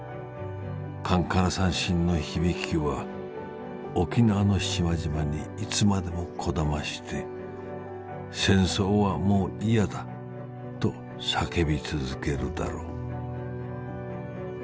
カンカラ三線の響きは沖縄の島々にいつまでもこだまして『戦争はもういやだ！』と叫び続けるだろう」。